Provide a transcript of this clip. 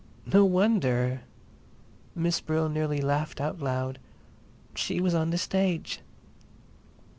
No wonder! Miss Brill nearly laughed out loud. She was on the stage.